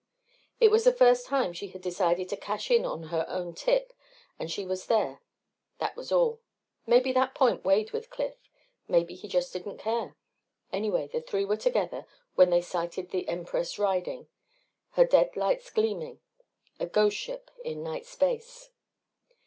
It was the first time she had decided to cash in on her own tip and she was there that was all. Maybe that point weighed with Cliff, maybe he just didn't care. Anyway the three were together when they sighted the Empress riding, her dead lights gleaming, a ghost ship in night space.